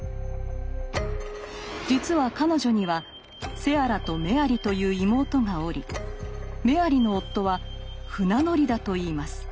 実は彼女にはセアラとメアリという妹がおりメアリの夫は船乗りだといいます。